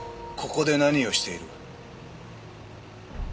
ここで何をしている？